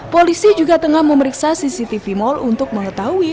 polisi juga tengah memeriksa cctv mal untuk mengetahui